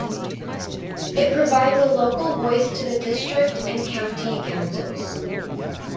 It provides a local voice to the district and county councils.